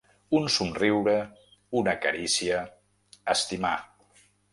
Un somriure, una carícia, estimar.